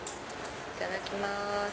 いただきます。